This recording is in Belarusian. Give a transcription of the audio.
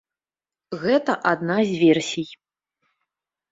Гэта адна з версій.